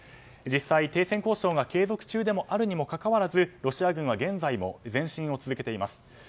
実際、停戦交渉が継続中でもあるにもかかわらずロシア軍は現在も前進を続けています。